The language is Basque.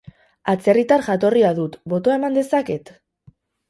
Atzerritar jatorria dut, botoa eman dezaket?